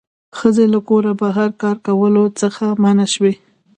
ښځې له کوره بهر کار کولو څخه منع شوې